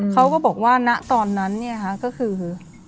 เขาก็บอกว่าณตอนนั้นก็คือ